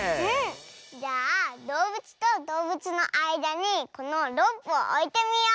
じゃあどうぶつとどうぶつのあいだにこのロープをおいてみよう。